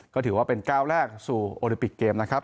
ก็ถือว่าเป็นก้าวแรกสู่โอลิปิกเกมนะครับ